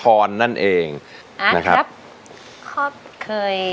ร้องได้